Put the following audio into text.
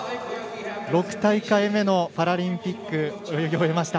６大会目のパラリンピック泳ぎ終えました。